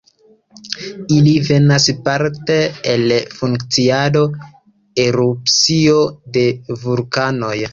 Ili venas parte el funkciado, erupcio de vulkanoj.